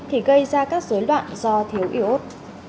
thì gây ra các dối loạn do thiếu iốt